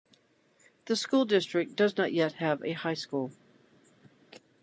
The school district does not yet have a high school.